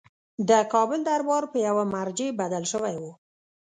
د کابل دربار په یوه مرجع بدل شوی وو.